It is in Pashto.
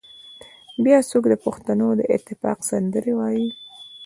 بيا څوک د پښتنو د اتفاق سندرې وايي